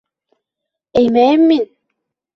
Эймәйем мин.